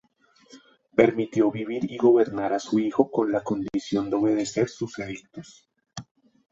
Permitió vivir y gobernar a su hijo con la condición de obedecer sus edictos.